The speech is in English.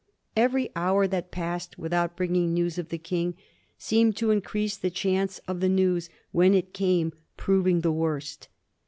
£yery hour that passed without bringing news of the King seemed to increase the chance of the news when it came proving the worst.